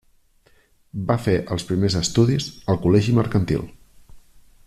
Va fer els primers estudis al Col·legi Mercantil.